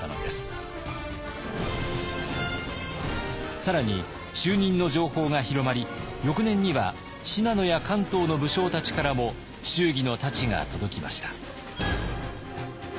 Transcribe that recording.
さらに就任の情報が広まり翌年には信濃や関東の武将たちからも祝儀の太刀が届きました。